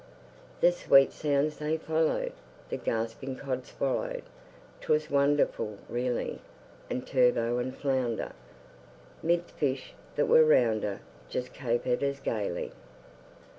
The sweet sounds they followed, The gasping cod swallow'd 'Twas wonderful, really; And turbot and flounder, 'Mid fish that were rounder, Just caper'd as gaily.